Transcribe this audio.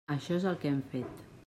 Això és el que hem fet.